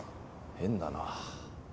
変だなぁ。